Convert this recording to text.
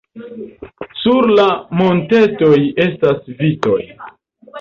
Sur la montetoj estas vitoj.